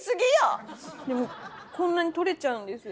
でもこんなに取れちゃうんです。